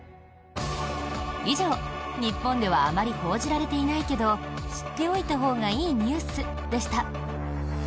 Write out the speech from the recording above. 以上、日本ではあまり報じられていないけど知っておいたほうがいいニュースでした。